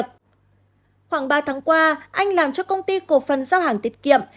khoảng ba tháng qua anh làm cho công ty cổ phần giao hàng tiết kiệm